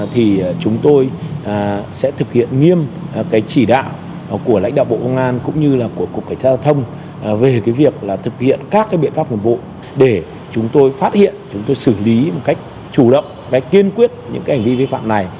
thì chúng tôi sẽ thực hiện nghiêm cái chỉ đạo của lãnh đạo bộ công an cũng như là của cục cảnh sát giao thông về cái việc là thực hiện các biện pháp nhiệm vụ để chúng tôi phát hiện chúng tôi xử lý một cách chủ động và kiên quyết những cái hành vi vi phạm này